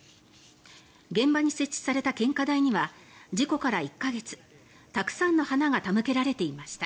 現場に設置された献花台には事故から１か月たくさんの花が手向けられていました。